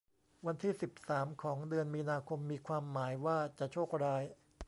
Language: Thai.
วันที่สิบสามของเดือนมีนาคมมีความหมายว่าจะโชคร้าย